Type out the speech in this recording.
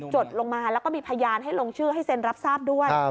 ดลงมาแล้วก็มีพยานให้ลงชื่อให้เซ็นรับทราบด้วย